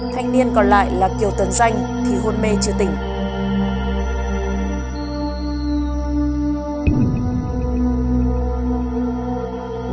thanh niên còn lại là kiều tấn danh thì hôn mê chưa tỉnh